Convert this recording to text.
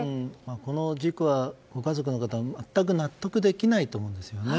この事故は、ご家族の方全く納得できないと思うんですよね。